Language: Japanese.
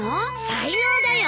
才能だよ。